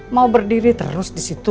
mau berdiri terus di situ